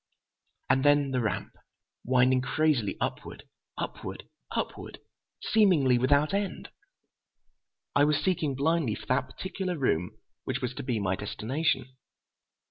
And then the ramp, winding crazily upward—upward—upward, seemingly without end. I was seeking blindly for that particular room which was to be my destination.